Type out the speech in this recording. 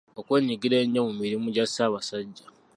Okwenyigira ennyo mu mirimu gya Ssabasajja.